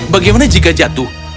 bagaimana jika jatuh